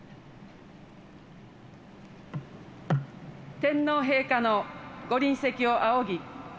天皇陛下のご臨席を仰ぎ